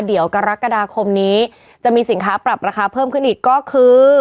เดี๋ยวกรกฎาคมนี้จะมีสินค้าปรับราคาเพิ่มขึ้นอีกก็คือ